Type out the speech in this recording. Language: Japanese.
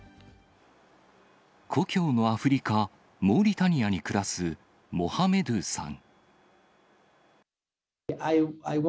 故郷のアフリカ・モーリタニアに暮らすモハメドゥさん。